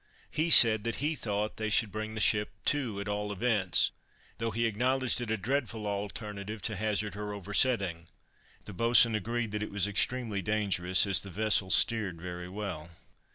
He said that he thought they should bring the ship to at all events, though he acknowledged it a dreadful alternative to hazard her oversetting; the boatswain agreed that it was extremely dangerous, as the vessel steered very well.